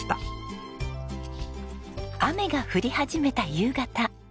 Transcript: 雨が降り始めた夕方。